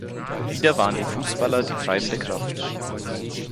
Wieder waren die Fußballer die treibende Kraft.